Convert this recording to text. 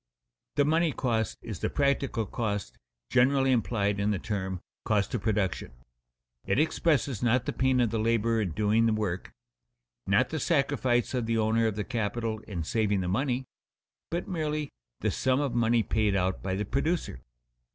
The money cost is the practical cost generally implied in the term cost of production. It expresses not the pain of the laborer in doing the work, not the sacrifice of the owner of the capital in saving the money, but merely the sum of money paid out by the producer.